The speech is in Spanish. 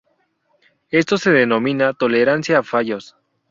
Esto se denomina "tolerancia a fallos".